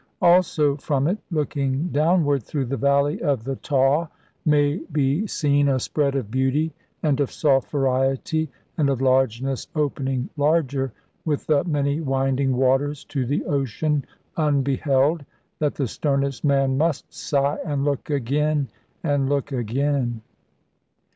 Also from it, looking downward through the valley of the Tawe, may be seen a spread of beauty, and of soft variety, and of largeness opening larger with the many winding waters, to the ocean unbeheld, that the sternest man must sigh, and look again and look again.